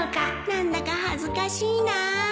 何だか恥ずかしいな